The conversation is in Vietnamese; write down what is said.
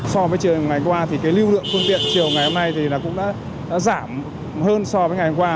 so với chiều ngày qua thì cái lưu lượng phương tiện chiều ngày hôm nay thì cũng đã giảm hơn so với ngày hôm qua